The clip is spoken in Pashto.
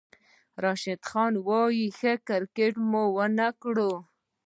راشد خان وايي، "ښه کرېکټ مو ونه کړ"